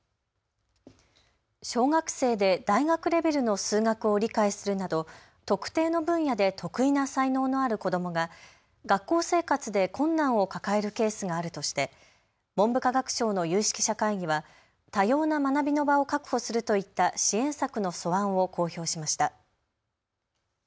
小学生で大学レベルの数学を理解するなど特定の分野で特異な才能のある子どもが学校生活で困難を抱えるケースがあるとして文部科学省の有識者会議は多様な学びの場を確保するといった支援策の素案を公表しました。